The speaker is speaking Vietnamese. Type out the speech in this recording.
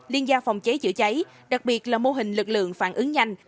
liên gia phòng cháy chữa cháy đặc biệt là mô hình lực lượng phản ứng nhanh